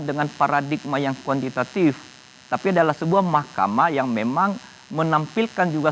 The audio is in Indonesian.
dengan paradigma yang kuantitatif tapi adalah sebuah mahkamah yang memang menampilkan juga